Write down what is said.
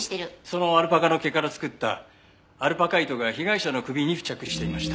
そのアルパカの毛から作ったアルパカ糸が被害者の首に付着していました。